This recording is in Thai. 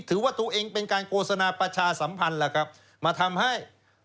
เราเองเป็นการโกสนาประชาสัมพันธ์มาทำให้